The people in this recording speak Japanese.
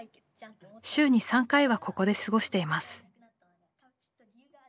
週に３回はここで過ごしています。